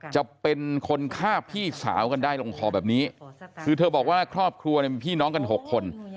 จะเป็นคนฆ่าพี่สาวกันได้ลงคอแบบนี้คือเธอบอกว่าครอบครัวเนี่ยมีพี่น้องกัน๖คน